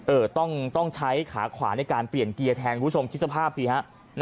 ต้องใช้ขาขวาในการเปลี่ยนเกียร์แทนคุณผู้ชมคิดสภาพสิฮะ